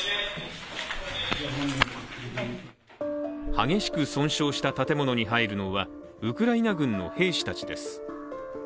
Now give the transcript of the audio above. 激しく損傷した建物に入るのはウクライナ軍の兵士たちです。